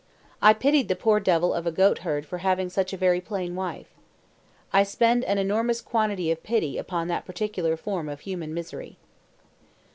I pitied the poor devil of a goatherd for having such a very plain wife. I spend an enormous quantity of pity upon that particular form of human misery.